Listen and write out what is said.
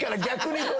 逆に。